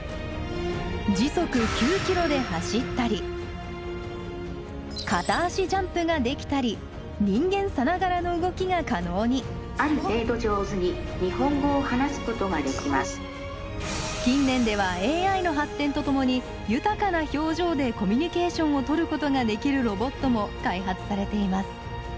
時速９キロで走ったり片足ジャンプができたり人間さながらの動きが可能に近年ではＡＩの発展とともに豊かな表情でコミュニケーションをとることができるロボットも開発されています。